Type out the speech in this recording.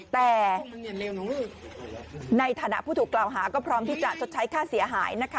แต่ในฐานะผู้ถูกกล่าวหาก็พร้อมที่จะชดใช้ค่าเสียหายนะคะ